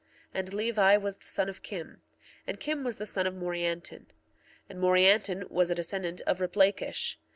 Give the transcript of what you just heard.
1:21 And Levi was the son of Kim. 1:22 And Kim was the son of Morianton. 1:23 And Morianton was a descendant of Riplakish.